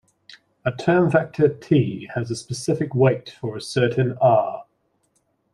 A term vector "t" has a specific weight for a certain "R".